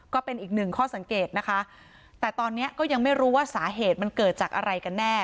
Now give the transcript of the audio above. ก็เป็นอีกหนึ่งข้อสังเกตนะคะแต่ตอนนี้ก็ยังไม่รู้ว่าสาเหตุมันเกิดจากอะไรกันแน่